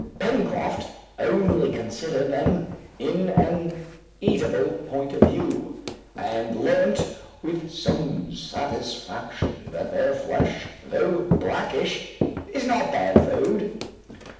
Pencroft only considered them in an eatable point of view, and learnt with some satisfaction that their flesh, though blackish, is not bad food.